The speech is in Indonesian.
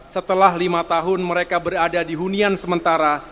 setelah lima tahun mereka berada di hunian sementara